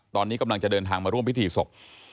ตอนนี้กำลังจะเดินทางมาร่วมพิธีศพ